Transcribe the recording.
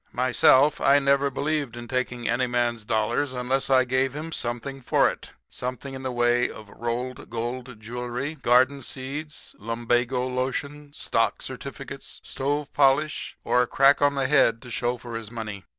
"Myself, I never believed in taking any man's dollars unless I gave him something for it something in the way of rolled gold jewelry, garden seeds, lumbago lotion, stock certificates, stove polish or a crack on the head to show for his money.